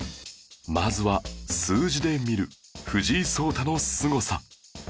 まずは数字で見る藤井聡太のすごさ